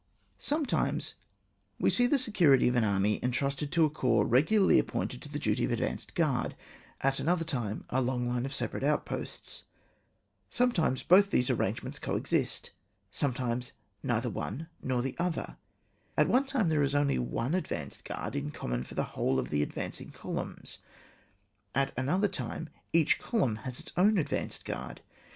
Sometimes we see the security of an army intrusted to a corps regularly appointed to the duty of advanced guard; at another time a long line of separate outposts ; sometimes both these arrange ments CO exist, sometimes neither one nor the other ; at one time there is only one advanced guard in common for the whole of the advancing columns ; at another time, each colimin has its own advanced guard.